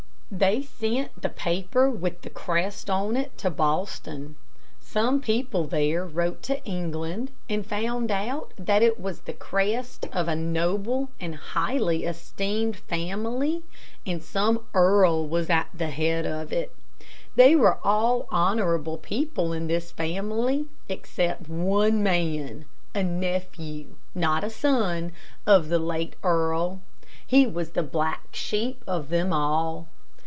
They sent the paper with the crest on it to Boston. Some people there wrote to England, and found out that it was the crest of a noble and highly esteemed family, and some earl was at the head of it. They were all honorable people in this family except one man, a nephew, not a son, of the late earl. He was the black sheep of them all.